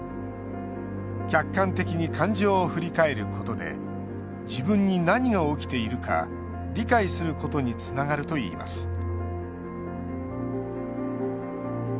客観的に感情を振り返ることで自分に何が起きているか理解することにつながるといいます。